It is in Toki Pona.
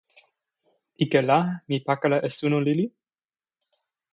ike la mi pakala e suno lili.